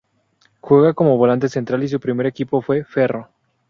Juega como volante central y su primer equipo fue Ferro.